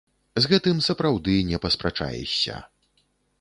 З гэтым, сапраўды, не паспрачаешся.